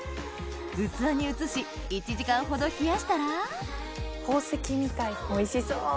器に移し１時間ほど冷やしたら宝石みたいおいしそう。